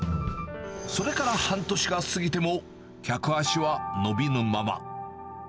それから半年が過ぎても、客足は伸びぬまま。